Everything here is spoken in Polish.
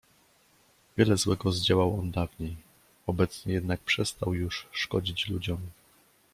"Wiele złego zdziałał on dawniej, obecnie jednak przestał już szkodzić ludziom."